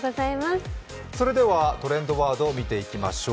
トレンドワード見ていきましょう。